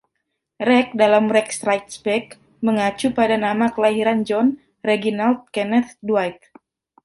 "Reg" dalam "Reg Strikes Back" mengacu pada nama kelahiran John, Reginald Kenneth Dwight.